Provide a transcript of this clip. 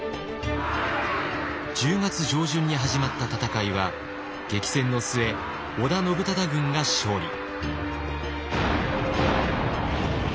１０月上旬に始まった戦いは激戦の末織田信忠軍が勝利。